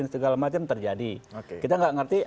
segala macam terjadi kita nggak ngerti